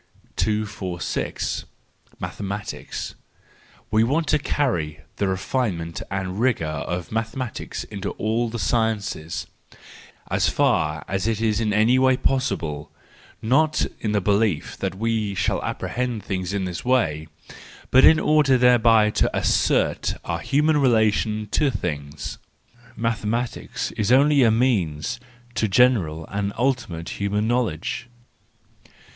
246. Mathematics .—We want to carry the refinement and rigour of mathematics into all the sciences, as far as it is in any way possible, not In the belief that THE JOYFUL WISDOM, III 205 we shall apprehend things in this way, but in order thereby to assert our human relation to things. Mathematics is only a means to general and ultimate human knowledge.